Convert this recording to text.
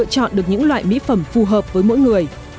để có thể lựa chọn được những loại mỹ phẩm phù hợp với mỗi người